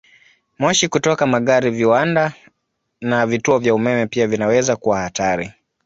Moshi kutoka magari, viwanda, na vituo vya umeme pia vinaweza kuwa hatari.